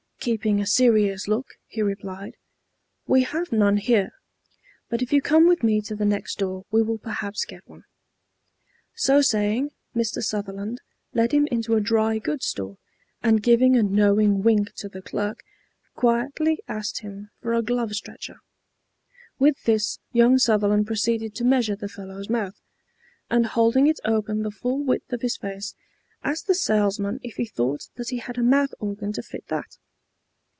Keeping a serious look, he replied, "We have none here, but if you come with me to the next door we will perhaps get one." So saying, Mr. Sutherland led him into a dry goods store, and giving a knowing wink to the clerk, quietly asked him for a glove stretcher. With this young Sutherland proceeded to measure the fellow's mouth, and holding it open the full width of his face, asked the salesman if he thought that he had a mouth organ to fit that.